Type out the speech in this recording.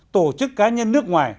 tổ chức cá nhân nước ngoài